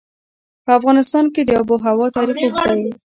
په افغانستان کې د آب وهوا تاریخ اوږد دی.